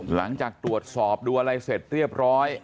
หลังจากตรวจสอบดูอะไรเสร็จเรียบร้อย